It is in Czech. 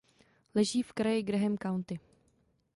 Leží v kraji Graham County.